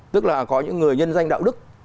tức là có những người nhân danh đạo đức